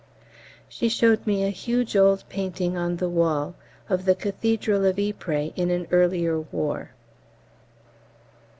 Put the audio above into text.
She showed me a huge old painting on the wall of the Cathedral of Ypres in an earlier war.